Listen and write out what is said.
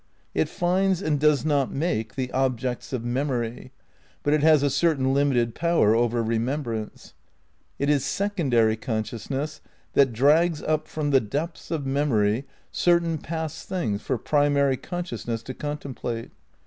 It finds and does not make the objects of memory; but it has a certain limited power over remembrance. It is secondary consciousness that drags up from the depths of memory certain past things for primary con sciousness to contemplate.